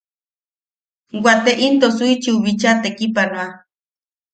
Wate into Suichiiu bicha tekipanoa.